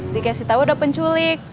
dikasih tau ada penculik